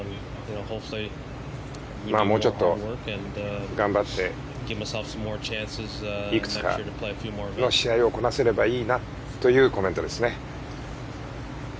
もうちょっと頑張っていくつかの試合をこなせればいいなというコメントですね。